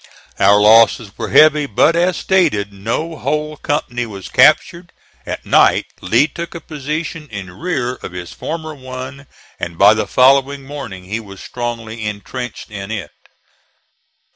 (*30) Our losses were heavy, but, as stated, no whole company was captured. At night Lee took a position in rear of his former one, and by the following morning he was strongly intrenched in it.